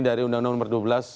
dari undang undang nomor dua belas